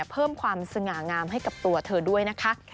เพิ่มความสง่างามให้กับตัวเธอด้วยนะคะ